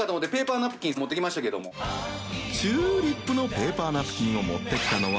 礇船紂璽螢奪のペーパーナプキンを持ってきたのは味